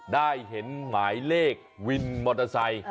ได้เห็นหมายเลขวินมอเตอร์ไซค์